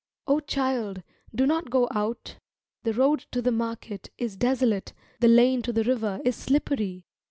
O child, do not go out! The road to the market is desolate, the lane to the river is slippery.